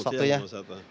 selamat siang mas atta